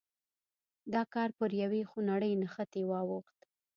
دا کار پر یوې خونړۍ نښتې واوښت.